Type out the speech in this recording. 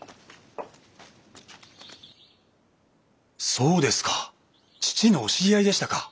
そうですか父のお知り合いでしたか。